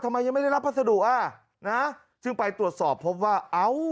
ยังไม่ได้รับพัสดุอ่ะนะซึ่งไปตรวจสอบพบว่าเอ้า